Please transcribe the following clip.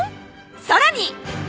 さらに！